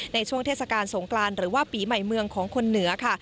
ในช่วงเทศกาลสงกรานหรือว่าปีใหม่เมืองของคนเหนือค่ะ